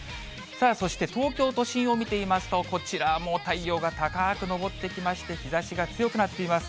そして東京都心を見てみますと、こちらも太陽が高くのぼってきまして、日ざしが強くなっています。